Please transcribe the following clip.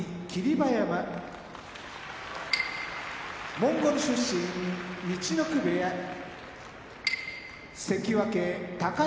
馬山モンゴル出身陸奥部屋関脇・高安